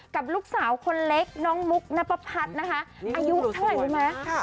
กับลูกสาวคนเล็กน้องมุกนะปรัชนะฮะอายุเท่าไหร่รู้มั้ยค่ะ